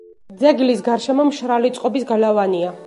ძეგლის გარშემო მშრალი წყობის გალავანია.